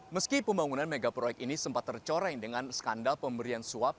meski pembangunan megaproyek ini sempat tercoreng dengan skandal pemberian suap